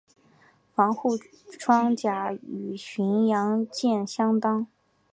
防护装甲与巡洋舰相当。